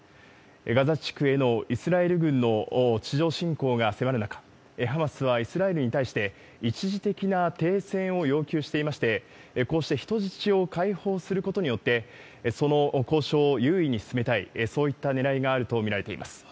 ガザ地区へのイスラエル軍の地上侵攻が迫る中、ハマスはイスラエルに対して、一時的な停戦を要求していまして、こうして人質を解放することによって、その交渉を優位に進めたい、そういったねらいがあると見られています。